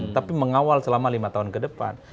tapi mengawal selama lima tahun ke depan